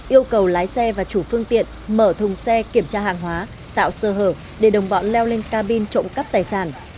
yêu cầu lái xe và chủ phương tiện mở thùng xe kiểm tra hàng hóa tạo sơ hở để đồng bọn leo lên cabin trộm cắp tài sản